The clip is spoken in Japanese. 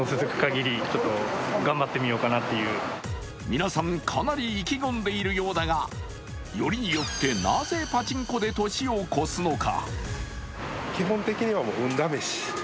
皆さん、かなり意気込んでいるようだがよりによってなぜパチンコで年を越すのか？